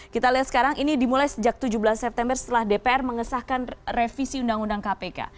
kita lihat sekarang ini dimulai sejak tujuh belas september setelah dpr mengesahkan revisi undang undang kpk